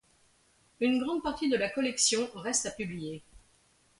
Une grande partie de la collection reste à publier.